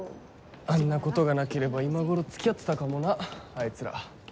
あんなことがなければ今頃付き合ってたかもなあいつら。